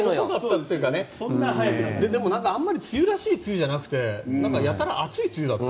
でも、あんまり梅雨らしい梅雨じゃなくてやたら暑い梅雨だった。